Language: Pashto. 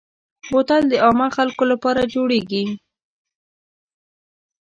بوتل د عامو خلکو لپاره جوړېږي.